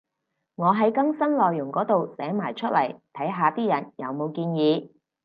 我喺更新內容嗰度寫埋出嚟，睇下啲人有冇建議